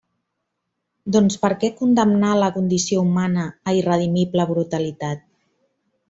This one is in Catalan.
¿Doncs, per què condemnar la condició humana a irredimible brutalitat?